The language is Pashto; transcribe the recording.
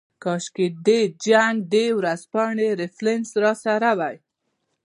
کاشکې د جنګ د ورځپاڼې ریفرنس راسره وای.